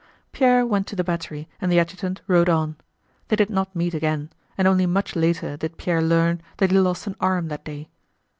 Pierre went to the battery and the adjutant rode on. They did not meet again, and only much later did Pierre learn that he lost an arm that day.